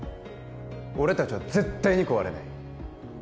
俺達は絶対に壊れない